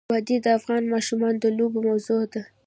وادي د افغان ماشومانو د لوبو موضوع ده.